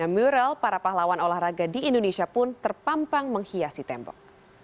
mural para pahlawan olahraga di indonesia pun terpampang menghiasi tembok